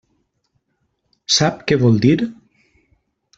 Sap què vol dir?